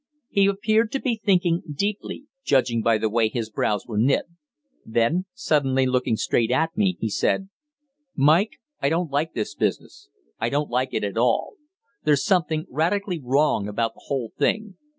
He appeared to be thinking deeply, judging by the way his brows were knit. Then, suddenly looking straight at me, he said: "Mike, I don't like this business I don't like it at all. There's something radically wrong about the whole thing.